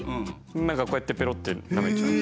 何かこうやってペロッてなめちゃう。